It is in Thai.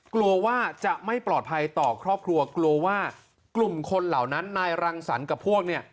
กลัวว่าจะไม่ปลอดภัยต่อครอบครัวกลัวว่ากลุ่มคนเหล่านั้นนายรังสรรค์กับพวกเนี่ย